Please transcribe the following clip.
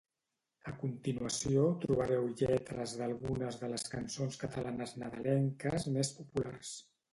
A continuació trobareu lletres d'algunes de les cançons catalanes nadalenques més populars